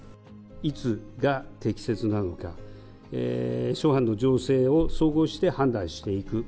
いつが適切なのか、諸般の情勢を総合して判断していく。